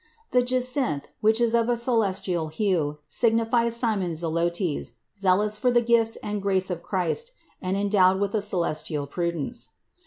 The jacinth, which is of a celestial hue, signifies Simon Zelotes, zealous for the gifts and grace of Christ and endowed with a celestial prudence.